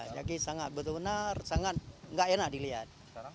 jadi sangat betul betul enak dilihat